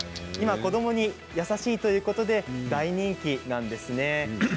子どもに優しいということで大人気なんですね。